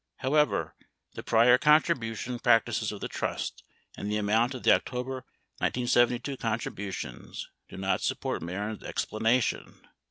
18 However, the prior contribution practices of the trust and the amount of the October 1972 contributions do not support Mehren's explanation.